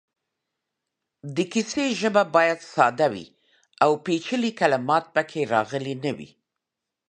د کیسې ژبه باید ساده وي او پېچلې کلمات پکې راغلې نه وي.